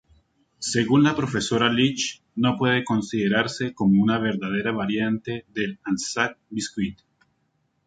Según la profesora Leach, no puede considerarse como una verdadera variante del "Anzac biscuit".